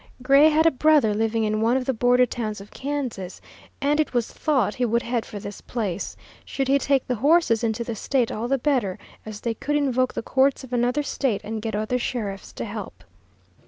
Gray had a brother living in one of the border towns of Kansas, and it was thought he would head for this place. Should he take the horses into the State, all the better, as they could invoke the courts of another State and get other sheriffs to help.